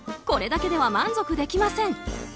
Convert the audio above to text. これだけでは満足できません。